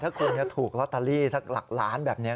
ถ้าคุณถูกลอตเตอรี่สักหลักล้านแบบนี้